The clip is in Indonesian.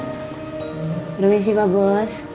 permisi pak bos